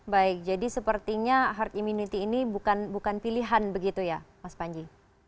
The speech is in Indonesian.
baik jadi sepertinya herd immunity ini bukan pilihan begitu ya mas panji